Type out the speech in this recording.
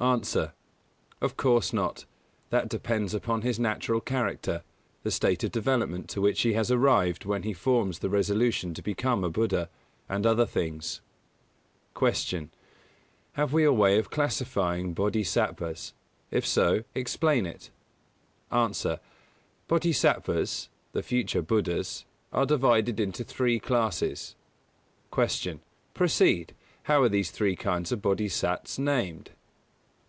_ A. Of course not: that depends upon his natural character, the state of development to which he has arrived when he forms the resolution to become a Buddha, and other things. 114. Q. Have we a way of classifying Bōdhisattvas? If so, explain it. A. Bōdhisattvas the future Buddhas are divided into three classes. 115. Q. _Proceed. How are these three kinds of Bōdhisats named?